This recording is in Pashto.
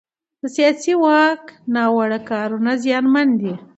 د سیاسي واک ناوړه کارونه زیانمن دي